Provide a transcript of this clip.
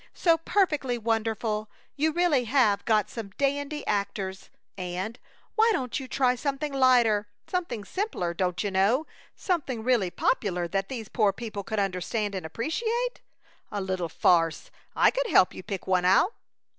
So perfectly wonderful! You really have got some dandy actors!" And, "Why don't you try something lighter something simpler, don't you know. Something really popular that these poor people could understand and appreciate? A little farce! I could help you pick one out!"